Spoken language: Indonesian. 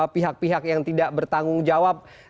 pihak pihak yang tidak bertanggung jawab